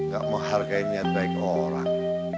gak menghargainya baik orang